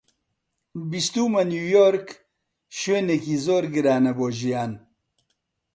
بیستوومە نیویۆرک شوێنێکی زۆر گرانە بۆ ژیان.